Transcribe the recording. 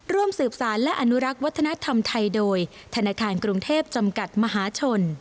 ร่วมสืบสารและอนุรักษ์วัฒนธรรมไทยโดยธนาคารกรุงเทพจำกัดมหาชน